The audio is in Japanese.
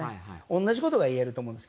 同じことがいえると思うんです。